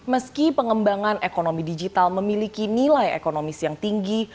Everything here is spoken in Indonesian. meski pengembangan ekonomi digital memiliki nilai ekonomis yang tinggi